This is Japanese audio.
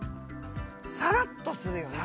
さらっとするよね。